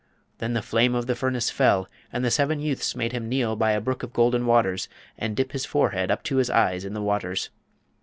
Then the flame of the furnace fell, and the seven youths made him kneel by a brook of golden waters and dip his forehead up to his eyes in the waters.